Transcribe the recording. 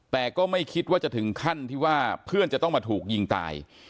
แต่ก็ไม่คิดว่าจะถึงขั้นที่ว่าเพื่อนจะต้องมาถูกยิงตาย